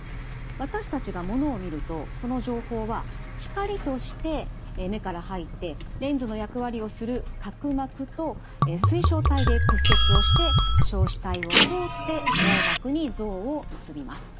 私たちがものを見るとその情報は光として目から入ってレンズの役割をする角膜と水晶体で屈折をして硝子体を通って網膜に像を結びます。